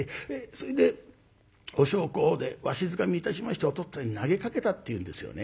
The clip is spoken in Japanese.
それでお焼香をわしづかみいたしましてお父っつぁんに投げかけたっていうんですよね。